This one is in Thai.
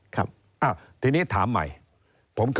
แต่ทีนี้ถามใหม่